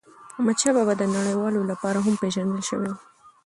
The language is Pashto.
احمدشاه بابا د نړیوالو لپاره هم پېژندل سوی و.